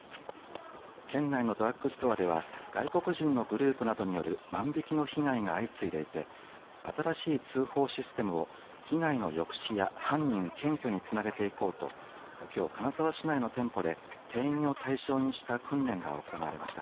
県内のドラッグストアでは外国人のグループなどによる万引きの被害が相次いでいて新しい通報システムを被害の抑止や犯人検挙につなげていこうときょう、金沢市内の店舗で店員を対象にした訓練が行われました。